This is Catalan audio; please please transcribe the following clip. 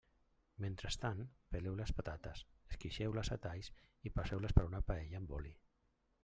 Mentrestant peleu les patates, esqueixeu-les a talls i passeu-les per una paella amb oli.